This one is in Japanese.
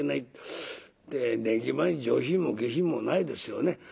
ねぎまに上品も下品もないですよね。